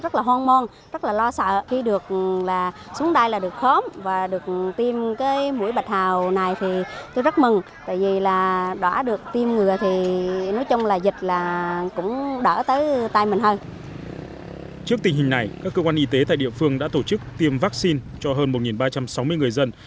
trước tình hình này các cơ quan y tế tại địa phương đã tổ chức tiêm vaccine cho hơn một ba trăm sáu mươi người dân